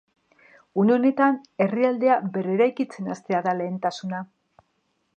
Une honetan, herrialdea berreraikitzen hastea da lehentasuna.